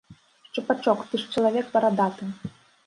Шчупачок, ты ж чалавек барадаты.